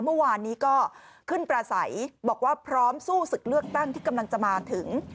เมื่อวานนี้ก็ขึ้นประสัยบอกว่าพร้อมสู้ศึกเลือกตั้งที่กำลังจะมาถึง